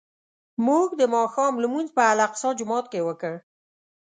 موږ د ماښام لمونځ په الاقصی جومات کې وکړ.